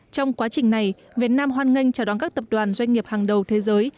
trong quá trình này việt nam hoan nghênh chào đón các tập đoàn doanh nghiệp hàng đầu thế giới